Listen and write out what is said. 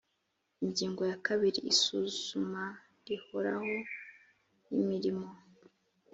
ingingo ya kabiri isuzuma rihoraho y imirimo